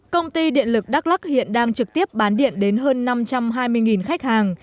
công ty điện lực đắk lắc hiện đang trực tiếp bán điện đến hơn năm trăm hai mươi khách hàng